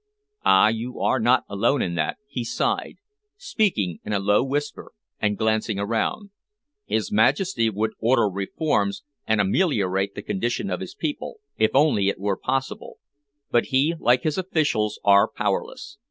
"Ah, you are not alone in that," he sighed, speaking in a low whisper, and glancing around. "His Majesty would order reforms and ameliorate the condition of his people, if only it were possible. But he, like his officials, are powerless.